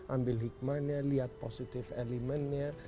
ambil hikmahnya lihat positif elemennya